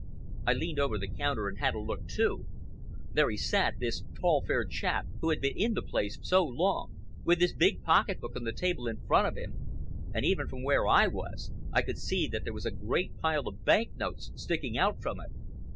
I leaned over the counter and had a look, too. There he sat—this tall, fair chap who had been in the place so long—with his big pocket book on the table in front of him, and even from where I was I could see that there was a great pile of bank notes sticking out from it.